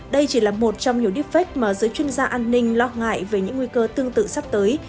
đây chỉ là một trong nhiều deepfake mà giới chuyên gia an ninh lo ngại về những nguy cơ tương tự sắp tới